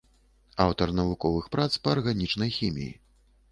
Аўтар навуковых прац па арганічнай хіміі.